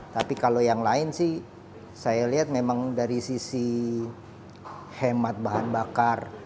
tapi kalau yang lain sih saya lihat memang dari sisi hemat bahan bakar